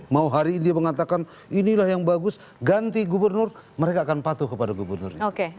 mau hari ini dia mengatakan inilah yang bagus ganti gubernur mereka akan patuh kepada gubernurnya